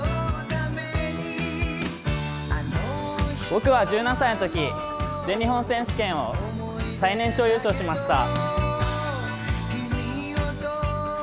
僕は１７歳のとき、全日本選手権を最年少優勝しました。